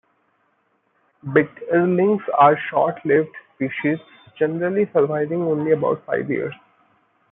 Bitterlings are short-lived species, generally surviving only about five years.